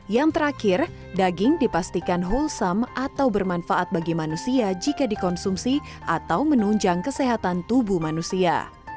yang terakhir daging dipastikan wholesome atau bermanfaat bagi manusia jika dikonsumsi atau menunjang kesehatan tubuh manusia